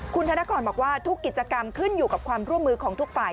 คุณธนกรบอกว่าทุกกิจกรรมขึ้นอยู่กับความร่วมมือของทุกฝ่าย